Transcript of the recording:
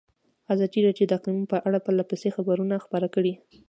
ازادي راډیو د اقلیتونه په اړه پرله پسې خبرونه خپاره کړي.